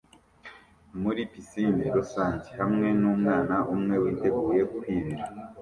muri pisine rusange hamwe numwana umwe witeguye kwibira